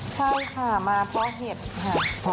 ใช่ค่ะมาเพราะเห็ดค่ะ